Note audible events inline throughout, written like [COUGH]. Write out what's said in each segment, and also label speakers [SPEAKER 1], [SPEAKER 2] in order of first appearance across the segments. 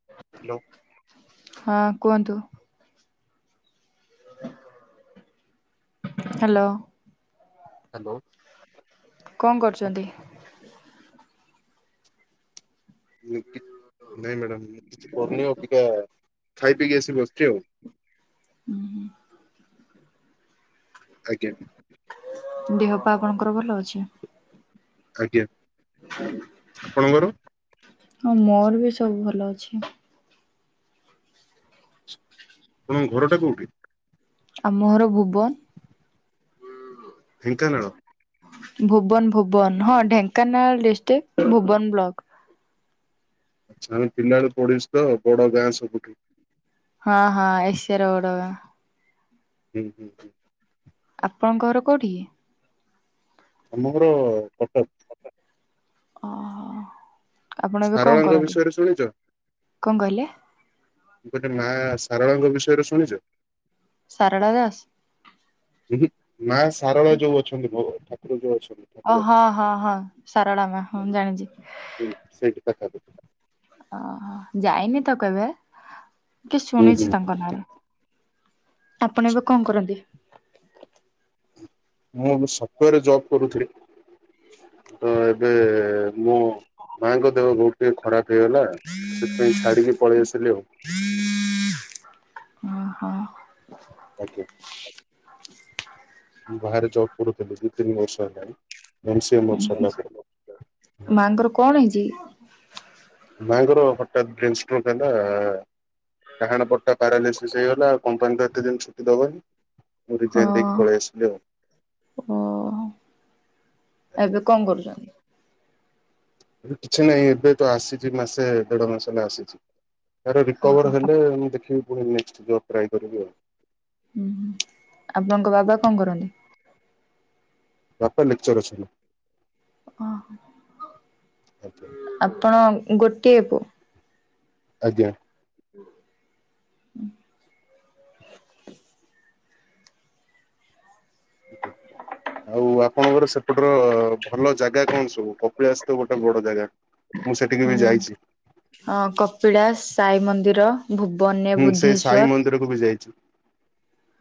[SPEAKER 1] [INAUDIBLE]
[SPEAKER 2] Hello.
[SPEAKER 1] ହଁ କୁହନ୍ତୁ। ହ ହାଲୋ।
[SPEAKER 2] ହାଲୋ।
[SPEAKER 1] କଣ କରୁଛନ୍ତି?
[SPEAKER 2] ମୁଁ ଏଇଟି ନାଇଁ ମ୍ୟାଡ଼ାମ ମୁଁ କିଛି କରୁନି ଆବିକା ଖାଇ ପିଇକି ଆସି ବସିଛି ଆଉ।
[SPEAKER 1] ଉଁ ହୁଁ।
[SPEAKER 2] ଆଜ୍ଞା।
[SPEAKER 1] ଦେହ ପା ଆପଣଙ୍କର ଭଲ ଅଛି?
[SPEAKER 2] ଆଜ୍ଞା ଆପଣଙ୍କର?
[SPEAKER 1] ହଁ ମୋର ବି ସବୁ ଭଲ ଅଛି।
[SPEAKER 2] ଆପଣଙ୍କ ଘରଟା କୋଉଠି?
[SPEAKER 1] ଆମ ଘର ଭୁବନ।
[SPEAKER 2] ଢେଙ୍କାନାଳ।
[SPEAKER 1] ଭୁବନ ଭୁବନ ହଁ ଢେଙ୍କାନାଳ ଡିଷ୍ଟ୍ରିକ୍ଟ ଭୁବନ ବ୍ଲକ।
[SPEAKER 2] ଆଛା ଆମେ ପିଲାବେଳୁ ପଡିଛୁ ତ ବଡ ଗାଁ ସବୁଠୁ।
[SPEAKER 1] ହଁ ହଁ ଏସିଆ ର ବଡ ଗାଁ।
[SPEAKER 2] ହୁଁ ହୁଁ ହୁଁ।
[SPEAKER 1] ଆପଣଙ୍କ ଘର କୋଉଠି କି?
[SPEAKER 2] ଆମ ଘର କଟକ।
[SPEAKER 1] ଓ ହୋ। ଆପଣ ଏବେ କଁ
[SPEAKER 2] ସାରଳାଙ୍କ
[SPEAKER 1] କରନ୍ତି?
[SPEAKER 2] ବିଷୟରେ ଶୁଣିଛ
[SPEAKER 1] କଁ କହିଲେ?
[SPEAKER 2] ମୁଁ କହିଲି ମା ଶାରଳାଙ୍କ ବିଷୟରେ ଶୁଣିଚ?
[SPEAKER 1] ସାରଳା ଦାସ।
[SPEAKER 2] ଉହୁଁ ମା ସାରଳା ଯୋଉ ଅଛନ୍ତି ଭଗ ଠାକୁର ଯୋଉ ଅଛନ୍ତି।
[SPEAKER 1] ଅ
[SPEAKER 2] ଠାକୁରାଣୀ
[SPEAKER 1] ହଁ ହଁ ହଁ ସାରଳା ମା ହଁ ଜାଣିଚି।
[SPEAKER 2] ହୁଁ ସେଇଠି ପାଖା ପାଖି।
[SPEAKER 1] ଅହଁ ଯାଇନି ତ କେବେ କି
[SPEAKER 2] ହୁଁ, ହୁଁ।
[SPEAKER 1] ଶୁଣିଛି ତାଙ୍କ ନାଁ ରେ। ଆପଣ ଏବେ କଁ କରନ୍ତି?
[SPEAKER 2] ମୁଁ ବି ସପ୍ଟୋୟାରରେ ଜବ୍ କରୁଥିଲି ତ ଏବେ ମୋ ମାଆଙ୍କ ଦେହ ବୋହୁତ ଟିକେ ଖରାପ ହେଇଗଲା ସେଥିପାଇଁ ଛାଡିକି ପଳେଇ ଆସିଲି ଆଉ।
[SPEAKER 1] [INAUDIBLE] ଅହଁ।
[SPEAKER 2] ଆଜ୍ଞା। ମୁଁ ବାହାରେ ଜବ୍ କରୁଥିଲି ଦିଇ ତିନି ବର୍ଷ ହେଲାଣି ମ ସି ଏ ମୋରୋ ସରିଲା ପରେ।
[SPEAKER 1] ମାଆଙ୍କର କଣ ହେଇଚି?
[SPEAKER 2] ମାଆଙ୍କର ହଠାତ୍ ବ୍ରେନ୍ ଷ୍ଟ୍ରୋକ୍ ହେଲା। ଡ଼ାହାଣ ପଟଟା ପାରାଲିସିସ୍ ହେଇଗଲା ଆଉ କମ୍ପାନୀତ ଏତେ ଦିନି ଛୁଟି ଦବନି। ମୁଁ ରିଯାଇନ୍ ଦେଇକି
[SPEAKER 1] ହଁ
[SPEAKER 2] ପଳେଇ ଆସିଲି ଆଉ।
[SPEAKER 1] ଓ କଁ କରୁଚନ୍ତି?
[SPEAKER 2] ଏବେ କିଛି ନାହିଁ ଏବେ ତ ଆସିଚି ମାସେ ଦେଢ ମାସ ହେଲା ଆସିଚି। ୟାର ରିକୋଭର୍ ହେଲେ ମୁଁ ଦେଖିବି ପୁଣି ନେକ୍ସଟ୍ ଜବ୍ ଟ୍ରାଏ କରିବି ଆଉ।
[SPEAKER 1] ଉଁହୁଁ ଆପଣଙ୍କ ବାବା କଁ କରନ୍ତି?
[SPEAKER 2] ବାପା ଲେକ୍ଚର ଅଛନ୍ତି।
[SPEAKER 1] ଅହଁ।
[SPEAKER 2] ଆଜ୍ଞା।
[SPEAKER 1] ଆପଣ ଗୋଟିଏ ପୁଅ?
[SPEAKER 2] ଆଜ୍ଞା।
[SPEAKER 1] [UNINTELLIGIBLE]
[SPEAKER 2] [INAUDIBLE] ଆଉ ଆପଣଙ୍କର ସେପଟର ଭଲ ଜାଗା କଣ ସବୁ? କପିଳାଶ ତ ଗୋଟେ ବଡ଼ ଜାଗା। ମୁଁ ସେଠିକି ବି
[SPEAKER 1] ହୁଁ
[SPEAKER 2] ଯାଇଛି
[SPEAKER 1] ଅଁ କପିଳାଶ ସାଇ ମନ୍ଦିର। ଭୁବନରେ ବୁଦ୍ଧେଶ୍ଵର।
[SPEAKER 2] ମୁଁ ବି ଯାଇଛି।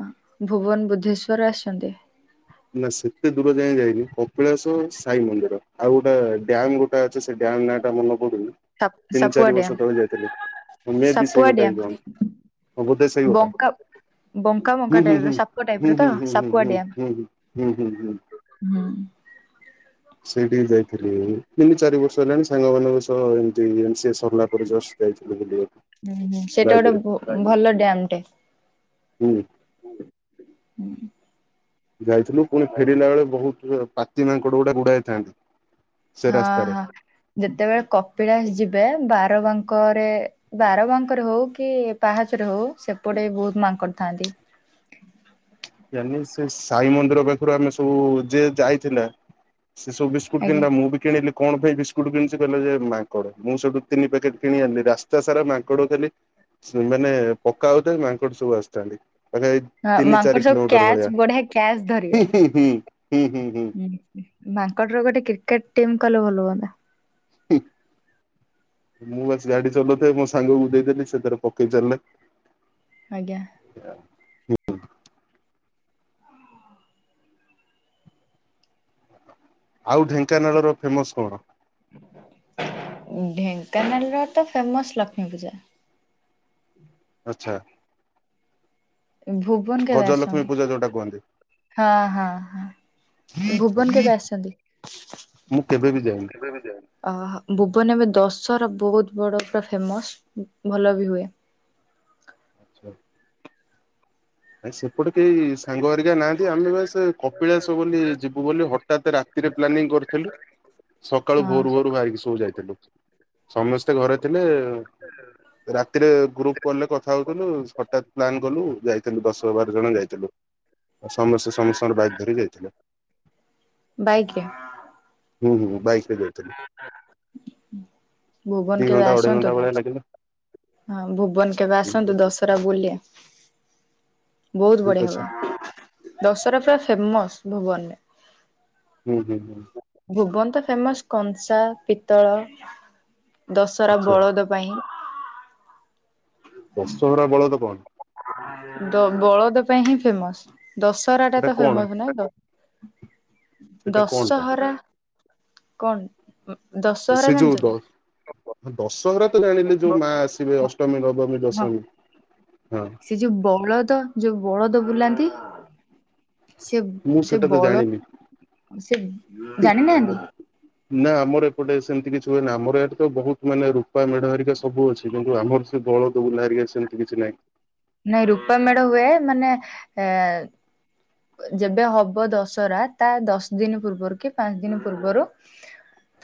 [SPEAKER 1] ହଁ ଭୁବନ ବୁଦ୍ଧେଶ୍ଵର ଆସଛନ୍ତି?
[SPEAKER 2] ନା ସେତେ ଦୂର ଯାଏଁ ଯାଇନି କପିଳାଶ ସାଇ ମନ୍ଦିର ଆଉ ଗୋଟେ ଡ୍ୟାମ୍ ଗୋ ଟା ଅଛି ସେ ଡ୍ୟାମ୍ ନାଆଟା ମନ ପଡୁନି। ତିନି
[SPEAKER 1] ସାପୁଆ
[SPEAKER 2] ଚାରି
[SPEAKER 1] ଡ୍ୟାମ
[SPEAKER 2] ବର୍ଷ ତଳେ ଯାଇଥିଲେି ମେବି ସେଇ
[SPEAKER 1] ସାପୁଆ
[SPEAKER 2] ଗୋଟାଏ
[SPEAKER 1] ଡ୍ୟାମ
[SPEAKER 2] କଣ। ହଁ ବୋଧେ ସେଇ ଗୋଟା
[SPEAKER 1] ବଙ୍କା
[SPEAKER 2] ହୁଁ
[SPEAKER 1] ବଙ୍କା
[SPEAKER 2] ହୁଁ
[SPEAKER 1] ବଙ୍କା
[SPEAKER 2] ହୁଁ
[SPEAKER 1] ଟାଇପ ର
[SPEAKER 2] ହୁଁ
[SPEAKER 1] ସାପ
[SPEAKER 2] ହୁଁ
[SPEAKER 1] ଟାଇପ ର ତ
[SPEAKER 2] ହୁଁ ହୁଁ
[SPEAKER 1] ସାପୁଆ
[SPEAKER 2] ହୁଁ
[SPEAKER 1] ଡ୍ୟାମ
[SPEAKER 2] ହୁଁ ହୁଁ ହୁଁ ହୁଁ ହୁଁ।
[SPEAKER 1] ହୁଁ।
[SPEAKER 2] ସେଇଠିକି ଯାଇଥିଲି ତିନି ଚାରି ବର୍ଷ ହେଲାଣି ସାଙ୍ଗମାନଙ୍କ ସହ ଏମିତି ଏମ୍ ସି ଏ ସରିଲା ପରେ ଜସ୍ ଯାଇଥିଲୁ ବୁଲିବାକୁ।
[SPEAKER 1] ଉଁହୁଁ ସେଟା
[SPEAKER 2] ବାଇକରେ
[SPEAKER 1] ଗୋଟେ ଭ ଭଲ ଡ୍ୟାମ ଟେ।
[SPEAKER 2] ହୁଁ।
[SPEAKER 1] ହୁଁ।
[SPEAKER 2] ଯାଇଥିଲୁ ପୁଣି ଫେରିଲା ବେଳେ ବୋହୁତ ଜୋ ପା ତି ମାଙ୍କଡ଼ ଗୁଡା ଗୁଡାଏ ଥାନ୍ତି। ସେ
[SPEAKER 1] ହଁ
[SPEAKER 2] ରାସ୍ତାରେ।
[SPEAKER 1] ହଁ ଯେତେବେଳେ କପିଳାଶ ଯିବେ ବାରବାଙ୍କରେ ବାରବାଙ୍କରେ ହୋଉ କି ପାହାଚରେ ହୋଉ ସେପଟେ ବହୁତ ମାଙ୍କଡ଼ ଥାନ୍ତି।
[SPEAKER 2] ଜାନି ସେ ସାଇ ମନ୍ଦିର ପାଖୁରୁ ଆମେ ସବୁ ଯିଏ ଯାଇଥିଲା। ସେ ସବୁ ବିସ୍କୁଟୁ
[SPEAKER 1] ଆଜ୍ଞା
[SPEAKER 2] କିଣିଲା ମୁ ବି କିଣିଲି। କଣ ପାଇଁ ବିସ୍କୁଟୁ କିଣିଛି କହିଲେ ଯେ ମାଙ୍କଡ଼ ମୁଁ ସେଠୁ ତିନି ପ୍ୟାକେଟ୍ କିଣି ଆଣିଲି ରାସ୍ତା ସାରା ମାଙ୍କଡ଼ ଦେଲି। ସେ ମାନେ ପକାଉଥାନ୍ତି ମାଙ୍କଡ଼ ସବୁ ଆସିଥାନ୍ତି। ଆଚ୍ଛା ଏଇ
[SPEAKER 1] ହଁ
[SPEAKER 2] ତିନି
[SPEAKER 1] ମାଙ୍କଡ
[SPEAKER 2] ଚାରି
[SPEAKER 1] ସବୁ
[SPEAKER 2] କିିଲୋମିଟର
[SPEAKER 1] କ୍ୟାଚ୍
[SPEAKER 2] ଭଳିଆ
[SPEAKER 1] ବଢିଆ କ୍ୟାଚ୍
[SPEAKER 2] ହୁଁ ହୁଁ ହୁଁ ହୁଁ ହୁଁ ହୁଁ।
[SPEAKER 1] ମାଙ୍କଡ଼ ର ଗୋଟେ କ୍ରିକେଟ୍ ଟିମ୍ କଲେ ଭଲ ହୁଅନ୍ତା।
[SPEAKER 2] ମୁଁ ବାସ୍ ଗାଡ଼ି ଚଲଉଥାଏ ମୋ ସାଙ୍ଗକୁ ଦେଇଦେଲି ସେ ତାର ପକେଇଚାଲିଲା।
[SPEAKER 1] ଆଜ୍ଞା।
[SPEAKER 2] ଆଉ ଢ଼େଙ୍କାନାଳର ଫେମସ୍ କଣ?
[SPEAKER 1] ଢ଼େଙ୍କାନାଳର ତ ଫେମସ୍ ଲକ୍ଷ୍ମୀ ପୂଜା।
[SPEAKER 2] ଆଚ୍ଛା।
[SPEAKER 1] ଭୁବନ କେବେ
[SPEAKER 2] ଗଜଲକ୍ଷ୍ମୀ
[SPEAKER 1] ଆସିଛନ୍ତି
[SPEAKER 2] ପୂଜା ଯୋଉଟା
[SPEAKER 1] ହଁ ହଁ ହଁ। ଭୁବନ
[SPEAKER 2] କୁହନ୍ତି।
[SPEAKER 1] କେବେ ଆସିଚନ୍ତି?
[SPEAKER 2] ମୁଁ
[SPEAKER 1] [UNINTELLIGIBLE]
[SPEAKER 2] କେବେ ବି ଯାଇନି।
[SPEAKER 1] ଅ ହୋ ଭୁବନ ଏବେ ଦଶରା ବହୁତ୍ ବଡ଼ ପୁରା ଫେମସ୍ ଭଲ ବି ହୁଏ।
[SPEAKER 2] ଆଚ୍ଛା। ନାଇଁ ସେପଟେ କେହି ସାଙ୍ଗହେରିକା ନାହାନ୍ତି ଆମେ ବାସ୍ କପିଳାସ ବୁଲି ଯିବୁ ବୋଲି ହଠାତ୍ ରାତିରେ ପ୍ଲାନିଂ କରିଥିଲୁ। ସକାଳୁ ଭୋରୁ
[SPEAKER 1] ହଁ
[SPEAKER 2] ଭୋରୁ ବାହାରିକି ସବୁ ଯାଇଥିଲୁ ସମସ୍ତେ ଘରେ ଥିଲେ। ରାତିରେ ଗ୍ରୁପ୍ କଲ୍ ରେ କଥା ହଉଥିଲୁ ହଠାତ୍ ପ୍ଲାନ୍ କଲୁ ଯାଇ ଥିଲୁ ଦଶ ରୁ ବାରଜଣ ଯାଇଥିଲୁ ଆଉ ସମସ୍ତେ ସମସ୍ତଙ୍କର ବାଇକ୍ ଧରି ଯାଇଥିଲୁ।
[SPEAKER 1] ବାଇକ୍
[SPEAKER 2] ହୁଁ ହୁଁ ବାଇକ୍ ରେ ଯାଇ
[SPEAKER 1] [INAUDIBLE]
[SPEAKER 2] ଦି
[SPEAKER 1] ଭୁବନ କେବେ
[SPEAKER 2] ଘଣ୍ଟା ଅଢେଇ
[SPEAKER 1] ଆସନ୍ତୁ
[SPEAKER 2] ଘଣ୍ଟା ଭଳିଆ ଲାଗିଲା
[SPEAKER 1] ହଁ ଭୁବନ କେବେ
[SPEAKER 2] ଠିକ
[SPEAKER 1] ଆସନ୍ତୁ
[SPEAKER 2] ଅଛି
[SPEAKER 1] ଦଶରା ବୁଲିଆ ବୋହୁତ୍
[SPEAKER 2] ଠିକ
[SPEAKER 1] ବଢ଼ିଆ
[SPEAKER 2] ଅଛି
[SPEAKER 1] ହବ। ଦଶରା ପୁରା ଫେମସ୍ ଭୁବନରେ।
[SPEAKER 2] ହୁଁ ହୁଁ ହୁଁ।
[SPEAKER 1] ଭୁବନ ତ ଫେମସ୍ କଂସା, ପିତ୍ତଳ, ଦଶହରା
[SPEAKER 2] ଆଚ୍ଛା
[SPEAKER 1] ବଳଦ ପାଇଁ।
[SPEAKER 2] ଦଶହରା ବଳଦ କଣ?
[SPEAKER 1] ଦ ବଳଦ ପାଇଁ ହିଁ ଫେମସ୍ ଦଶରା ଟା
[SPEAKER 2] ସେଟା
[SPEAKER 1] ତ
[SPEAKER 2] କଣ
[SPEAKER 1] ଫେମସ୍ ନାଇଁ ତ
[SPEAKER 2] ସେଟା କଣଟା
[SPEAKER 1] ଦଶହରା କଣ ଦଶ୍
[SPEAKER 2] ସେ ଯୋଉ ଦ ଦଶହରା [UNINTELLIGIBLE] ଜାଣିଲି ଯୋଉ ମା ଆସିବେ ଅଷ୍ଟମୀ, ନବମୀ,
[SPEAKER 1] ହଁ
[SPEAKER 2] ଦଶମୀ ହଁ।
[SPEAKER 1] ସେ ଯୋଉ ବଳଦ ଯୋଉ ବଳଦ ବୁଲାନ୍ତି। ସେ
[SPEAKER 2] ମୁଁ
[SPEAKER 1] ସେ
[SPEAKER 2] ସେଟା ତ
[SPEAKER 1] ବଳ
[SPEAKER 2] ଜାଣିନି
[SPEAKER 1] ସେ ଜାଣିନାହାନ୍ତି?
[SPEAKER 2] ନା ଆମର ଏପଟେ ସେମିତି କିଛି ହୁଏନା ଆମର ଇଆଡ଼େ ତ ବହୁତ୍ ମାନେ ରୂପା ମେଢ଼ ହେରିକା ସବ ସବୁ ଅଛି କିନ୍ତୁ ଆମର ସେ ବଳଦ ବୁଲା ହେରିକା ସେମିତି କିଛି ନାହିଁ।
[SPEAKER 1] ନାଇଁ ରୂପା ମେଢ଼ ହୁଏ ମାନେ ଏ ଯେବେ ହବ ଦଶରା ତା ଦଶ୍ ଦିନି ପୂର୍ବରୁ କି ପାଞ୍ଚ ଦିନି ପୂର୍ବରୁ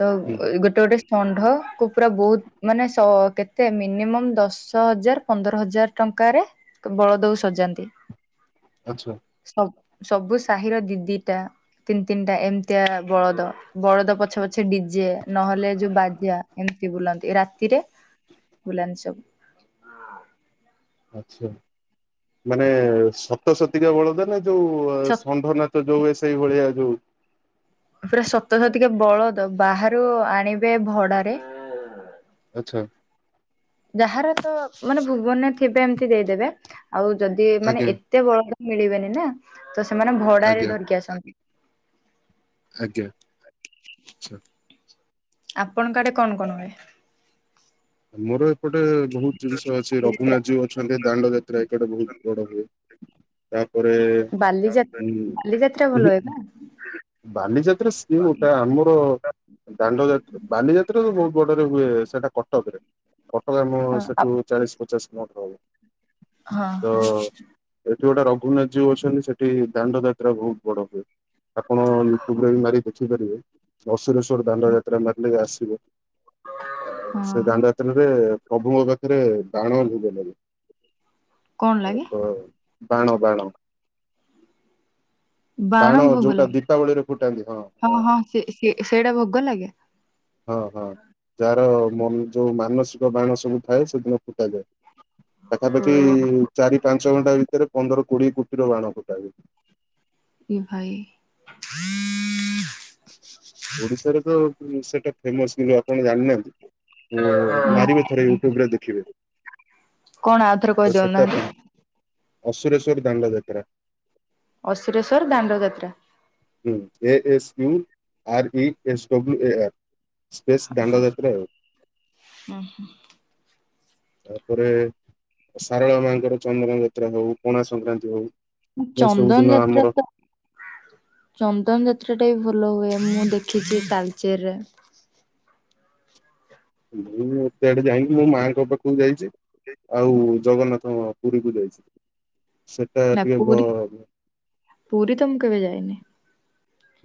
[SPEAKER 1] ତ
[SPEAKER 2] ହୁଁ
[SPEAKER 1] ଗୋଟେ ଗୋଟେ ଷଣ୍ଢ କୁ ପୁରା ବୋହୁତ୍ ମାନେ ସ କେତେ ମିନିମମ୍ ଦଶ ହଜାର ପନ୍ଦର ହଜାର ଟଙ୍କାରେ ବଳଦକୁ ସଜାନ୍ତି।
[SPEAKER 2] ଆଚ୍ଛା।
[SPEAKER 1] ସ‌ ସବୁ ସାହିର ଦି ଦିଟା। ତିନି ତିନିଟା ଏମିତିଆ ବଳଦ ବଳଦ ପଛେ ପଛେ ଡ଼ିଜେ ନହେଲେ ଯୋଉ ବାଜା। ଏମିତି ବୁଲନ୍ତି ରାତିରେ ବୁଲାନ୍ତି ସବୁ।
[SPEAKER 2] ଆଚ୍ଛା ମାନେ ସତସତିକା ବଳଦ ନା ଯୋଉ
[SPEAKER 1] ସତ
[SPEAKER 2] ଷଣ୍ଢ ନା [UNINTELLIGIBLE] ଭଳିଆ ଯୋଉ
[SPEAKER 1] ପୁରା ସତ ସତିକା ବଳଦ ବାହାରୁ ଆଣିବେ ଭଡ଼ାରେ।
[SPEAKER 2] ଆଚ୍ଛା।
[SPEAKER 1] ଯାହାର ତ ମାନେ ଭୁବନେ ଥିବେ ଏମିତି ଦେଇଦେବେ ଆଉ ଯଦି ମାନେ
[SPEAKER 2] ଆଜ୍ଞା
[SPEAKER 1] ଏ ଏତେ ବଳଦ ମିଳିବେନି ନା ତ ସେମାନେ ଭଡ଼ା ରେ
[SPEAKER 2] ଆଜ୍ଞା
[SPEAKER 1] ଧରିକି ଆସନ୍ତି।
[SPEAKER 2] ଆଜ୍ଞା ଆଚ୍ଛା।
[SPEAKER 1] ଆପଣଙ୍କ ଆଡ଼େ କଣ କଣ ହୁଏ?
[SPEAKER 2] ଆମର ଏପଟେ ବହୁତ ଜିନିଷ ଅଛି
[SPEAKER 1] ବାଲିଯାତ୍ରା
[SPEAKER 2] ରଘୁନାଥଜୀଉ ଅ ଅଛନ୍ତି ଦାଣ୍ଡ ଯାତ୍ରା ଏପଟେ ବହୁତ ବଡ଼ ହୁଏ। ତାପରେ
[SPEAKER 1] ବାଲିଯାତ
[SPEAKER 2] ଉଁ
[SPEAKER 1] ବାଲିଯାତ୍ରା ଭଲ ହୁଏ ନା।
[SPEAKER 2] ବାଲିଯାତ୍ରା ସି ଗୋଟା ଆମର ଦାଣ୍ଡ ଯାତ ବାଲିଯାତ୍ରା ତ ବହୁତ ବଡରେ ହୁଏ ସେଟା କଟକ ରେ କଟକ ଆମ
[SPEAKER 1] ହଁ ଆପ୍
[SPEAKER 2] ସେଠୁ ଚାଳିଶ ପଚାଶ କିଲୋ ମିଟର ହବ-
[SPEAKER 1] ହଁ
[SPEAKER 2] ତ
[SPEAKER 1] ହଁ।
[SPEAKER 2] ଏଠି ଗୋଟେ ରଘୁନାଥଜୀଉ ଅଛନ୍ତି ସେଠି ଦାଣ୍ଡ ଯାତ୍ରା ବହୁତ ବଡ଼ ହୁଏ। ଆପଣ ୟୁଟ୍ୟୁବରେ ବି ମାରି ଦେଖିପାରିବେ ଅଶୁରେଶ୍ଵର ଦାଣ୍ଡ ଯାତ୍ରା ମାରିଲେ ଆସିବ। ଆ
[SPEAKER 1] ହଁ
[SPEAKER 2] ସେ ଦାଣ୍ଡ ଯା- ସେଥିରେ ପ୍ରଭୁଙ୍କ ପାଖରେ ବାଣ ଭୋଗ
[SPEAKER 1] କଣ
[SPEAKER 2] ଲାଗେ।
[SPEAKER 1] ଲାଗେ
[SPEAKER 2] ବାଣ ବାଣ।
[SPEAKER 1] ବାଣ ଭୋଗ ଲା-
[SPEAKER 2] ଦୀପାବଳିରେ ଫୁଟାନ୍ତି ହଁ।
[SPEAKER 1] ହଁ ହଁ ସେ ସେ ସେଇଟା ଭୋଗ ଲାଗେ।
[SPEAKER 2] ହଁ ହଁ ଯାହାର ଯୋଉ ମାନସିକ ବାଣ ସବୁ ଥାଏ ସେଦିନ ଫୁଟାଯାଏ।
[SPEAKER 1] ଓ
[SPEAKER 2] ପାଖାପାଖି ଚାରି ପାଞ୍ଚ ଘଣ୍ଟା ଭିତରେ ପନ୍ଦର କୋଡିଏ କୋଟିର ବାଣ ଫୁଟାଯାଏ।
[SPEAKER 1] ଏ ଭାଇ।
[SPEAKER 2] ଓଡିଶାରେ ତ ସେଇଟା ଫେମସ କିନ୍ତୁ ଆପଣ ଜାଣିନାହାନ୍ତି। ହୁଁ ମାରିବେ ଥରେ ୟୁଟ୍ୟୁବ ରେ ଦେଖିବେ।
[SPEAKER 1] କଣ ଆଉଥରେ
[SPEAKER 2] ତ
[SPEAKER 1] କହିଦିଅନ୍ତୁ
[SPEAKER 2] ସେଟା
[SPEAKER 1] ନାହାନ୍ତି
[SPEAKER 2] ଫ ଅସୁରେଶ୍ଵର ଦାଣ୍ଡ ଯାତ୍ରା।
[SPEAKER 1] ଅସୁରେଶ୍ୱର ଦାଣ୍ଡଯାତ୍ରା।
[SPEAKER 2] ହୁଁ A S U R E S W A R. Space Dandayatra ଆଉ। ତାପରେ- ଶାରଳା ମାଙ୍କର ଚନ୍ଦନ ଯାତ୍ରା ହଉ ପଣା ସଂକ୍ରାନ୍ତି ହଉ- ଏ ସବୁ
[SPEAKER 1] ଚନ୍ଦନ
[SPEAKER 2] ଦିନ
[SPEAKER 1] ଯାତ୍ରା
[SPEAKER 2] ଆମର
[SPEAKER 1] ତ- ଚନ୍ଦନ ଯାତ୍ରା ଟା ବି ଭଲ ହୁଏ ମୁଁ ଦେଖଛିି ତାଳଚେରରେ।
[SPEAKER 2] ମୁଁ ଏତେ ଆଡେ ଯାଇନି ମୋ ମାଆଙ୍କ ପାଖକୁ ଯାଇଛି। ଆଉ ଜଗନ୍ନାଥ ପୁରୀକୁ ଯାଇଛି। ସେଟା
[SPEAKER 1] ନା
[SPEAKER 2] ଟିକେ
[SPEAKER 1] ପୁରୀ
[SPEAKER 2] ଭ
[SPEAKER 1] ପୁରୀ ତ ମୁଁ କେବେ ଯାାଇନି।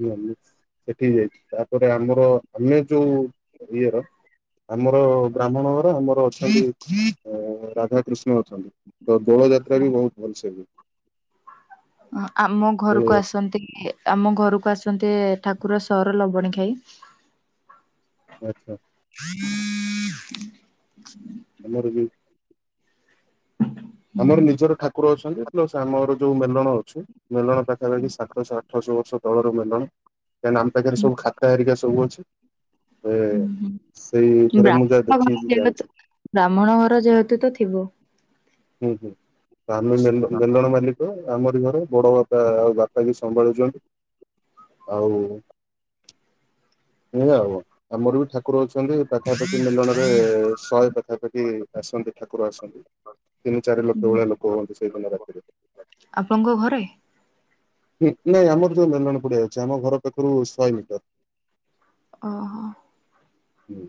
[SPEAKER 2] ହୁଁ ହୁଁ ସେଠି କି ଯାଇଛି ତାପରେ ଆମର ଆମେ ଯୋଉ ଇଏର- ଆମର ବ୍ରାହ୍ମଣ ଘର ଆମର ଅଛନ୍ତି ରାଧା କୃଷ୍ଣ ମୂର୍ତ୍ତି ତ ଦୋଳ ଯାତ୍ରା ବି ବହୁତ ଭଲସେ ହୁଏ।
[SPEAKER 1] ଆମ
[SPEAKER 2] ଦୋଳ
[SPEAKER 1] ଘରକୁ
[SPEAKER 2] ଯାତ୍ରା
[SPEAKER 1] ଆସନ୍ତି ଇଏ - ଆମ ଘରକୁ ଆସନ୍ତେ ଠାକୁର ସର ଲବଣୀ ଖାଇ-
[SPEAKER 2] ଆଚ୍ଛା।
[SPEAKER 1] [INAUDIBLE]
[SPEAKER 2] ଆମର ବି-
[SPEAKER 1] ହୁଁ
[SPEAKER 2] ଆମର ନିଜର ଠାକୁର ଅଛନ୍ତି ପ୍ଲସ ଆମର ଯୋଉ ମେଲଣ ଅଛୁ- ମେଲଣ ପାଖାପାଖି ସାତଶହ ଆଠଶହ ବର୍ଷ- ତଳର ମେଲଣ କାଇଁ ନା ଆମ ପାଖରେ ସବୁ ଖାତା ହେରିକା ସବୁ ଅଛି- ଏ
[SPEAKER 1] ହୁଁ ହୁଁ।
[SPEAKER 2] ସେଇ ଉପରେ ମୁଁ ଯାହା
[SPEAKER 1] ବ୍ରାହ୍ମଣ ଘର
[SPEAKER 2] ଦେଖିକି
[SPEAKER 1] ଯେହେତୁ
[SPEAKER 2] ଜାଣିଛି।
[SPEAKER 1] ବ୍ରାହ୍ମଣ ଘର ଯେହେତୁ ତ ଥିବ।
[SPEAKER 2] ହୁଁ ହୁଁ ଆମେ ମେଲ ମେଲଣ [UNINTELLIGIBLE] ତ ଆମରି ଘର ବଡ ବାପା ଆଉ ବାପା ବି ସମ୍ଭାଳୁଛନ୍ତି। ଆଉ ସେଇଆ ଆଉ ଆମର ବି ଠା ଠାକୁର ଅଛନ୍ତି ପାଖାପାଖି ମେଲଣରେ ଶହେ ପାଖାପାଖି ଆସନ୍ତି ଠାକୁର ଆସନ୍ତି। ତିନି ଚାରି ଲୋକ ଭଳିଆ ଲୋକ ହୁଅନ୍ତି ସେଇଦିନ ରାତିରେ।
[SPEAKER 1] ଆପଣଙ୍କ ଘରେ?
[SPEAKER 2] ହଁ ନାଇଁ ଆମର ଯୋଉ ମେଲଣ ପଡିଆ ଅଛି ଆମ ଘର ପାଖରୁ ଶହେ ମିଟର।
[SPEAKER 1] ଓ
[SPEAKER 2] ହୁଁ,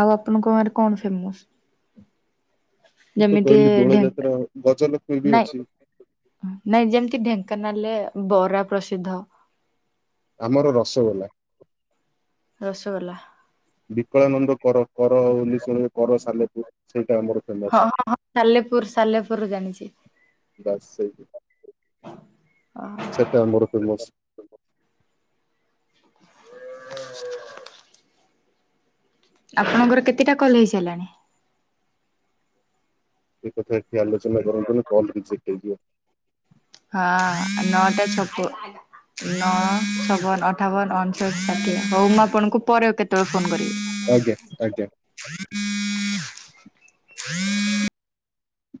[SPEAKER 1] ଆଉ ଆପଣଙ୍କ ଗାଁରେ କଣ ଫେମସ?
[SPEAKER 2] ମୁଁ ତ
[SPEAKER 1] ଯେମିତି
[SPEAKER 2] କହିଲି ଦୋଳ
[SPEAKER 1] ଢେଙ୍କା
[SPEAKER 2] ଯାତ୍ରା ଗଜଲକ୍ଷ୍ମୀ ବି
[SPEAKER 1] ନାଇଁ
[SPEAKER 2] ଅଛି।
[SPEAKER 1] ନାଇଁ ଯେମିତି ଢେଙ୍କାନାଳରେ ବରା ପ୍ରସିଦ୍ଧ।
[SPEAKER 2] ଆମର ରସଗୋଲା।
[SPEAKER 1] ରସଗୋଲା।
[SPEAKER 2] ବିକଳାନନ୍ଦ କର କର କର ସାଲେପୁର ସେଇଟା ଆମର ଫେମସ।
[SPEAKER 1] ସାଲେପୁରରୁ ଜାଣିଛି।
[SPEAKER 2] ବାସିଚି।
[SPEAKER 1] ଅ
[SPEAKER 2] ସେଟା ଆମର ଫେମସ।
[SPEAKER 1] [INAUDIBLE] ଆପଣଙ୍କର କେତିଟା କଲ୍ ହେଇସାରିଲାଣି?
[SPEAKER 2] ଏକଥା ଏଠି ଆଲୋଚନା କରନ୍ତୁନି ନହେଲେ କଲ ରିଜେକ୍ଟ ହେଇଯିବ।
[SPEAKER 1] ହଁ ନଅଟା ଛତୁ। ନଅ ଛବନ ଅଠାବନ ଅଣଷଠ ଷାଠିଏ ହଉ ମୁଁ ଆପଣଙ୍କୁ ପରେ କେତେବେଳେ ଫୋନ କରିବି?
[SPEAKER 2] ଆଜ୍ଞା ଆଜ୍ଞା।